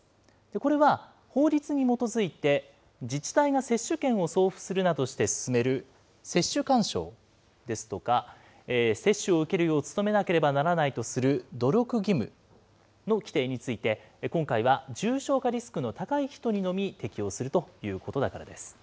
これは、法律に基づいて、自治体が接種券を送付するなどして勧める接種勧奨ですとか、接種を受けるよう努めなければならないとする努力義務の規定について、今回は重症化リスクの高い人にのみ適用するということだからです。